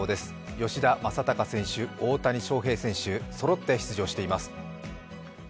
吉田正尚選手、大谷翔平選手、そろって出場しています。